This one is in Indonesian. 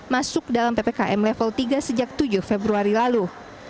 masuk dalam ppkm level tiga sejak tujuh februari lalu